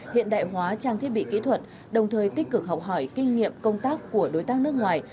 hiện đại hóa trang thiết bị kỹ thuật đồng thời tích cực học hỏi kinh nghiệm công tác của đối tác nước ngoài